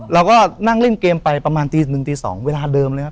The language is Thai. เราก็นั่งเล่นเกมไปประมาณตี๑ตี๒เวลาเดิมเลยครับ